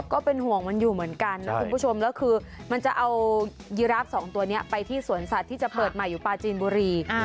ก็เป็นห่วงมันอยู่เหมือนกันนะคุณผู้ชมแล้วคือมันจะเอายีราฟสองตัวนี้ไปที่สวนสัตว์ที่จะเปิดใหม่อยู่ปลาจีนบุรี